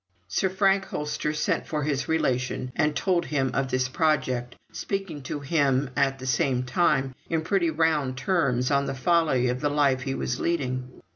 Sir Frank Holster sent for his relation, and told him of this project, speaking to him, at the same time, in pretty round terms on the folly of the life he was leading.